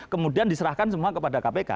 kemudian diserahkan semua kepada kpk